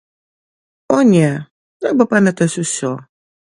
О не, трэба памятаць усё.